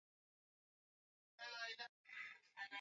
mama mjamzito anataki kupata matibabu ya malaria kwa haraka